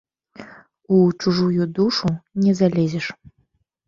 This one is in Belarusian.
У чужую душу не залезеш.